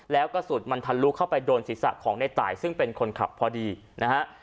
แล้วกระสุนมันทะลุเข้าไปโดนศีรษะของในตายซึ่งเป็นคนขับพอดีนะฮะ